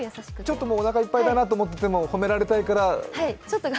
ちょっとおなかいっぱいだなと思ってても褒められたいから？